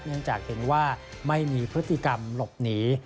เนื่องจากเห็นว่าไม่มีพฤติกรรมหลบหนี